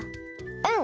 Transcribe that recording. うん！